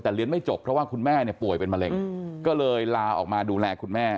แต่เรียนไม่จบเพราะว่าคุณแม่เนี่ยป่วยเป็นมะเร็งก็เลยลาออกมาดูแลคุณแม่